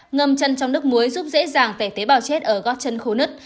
ngâm chân trong nước muối giúp dễ dàng tẩy tế bào chết ở góc chân khô nứt